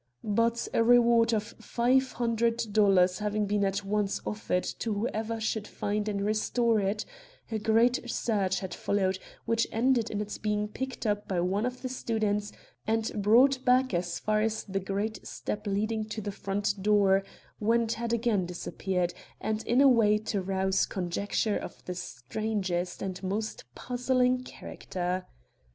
But a reward of five hundred dollars having been at once offered to whoever should find and restore it, a great search had followed, which ended in its being picked up by one of the students and brought back as far as the great step leading up to the front door, when it had again disappeared, and in a way to rouse conjecture of the strangest and most puzzling character.